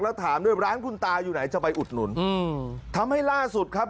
แล้วถามด้วยร้านคุณตาอยู่ไหนจะไปอุดหนุนอืมทำให้ล่าสุดครับ